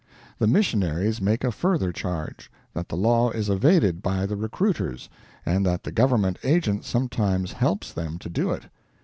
The missionaries make a further charge: that the law is evaded by the recruiters, and that the Government Agent sometimes helps them to do it.